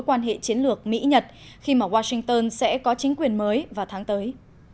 quan hệ chiến lược mỹ nhật khi mà washington sẽ có chính quyền mới vào tháng tới